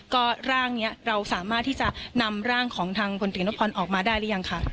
ก็ร่างนี้เราสามารถที่จะนำร่างของทางพลตรีนพรออกมาได้หรือยังคะ